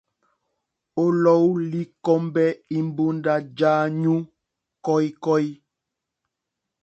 O lɔ̀u li kombɛ imbunda ja anyu kɔ̀ikɔ̀i.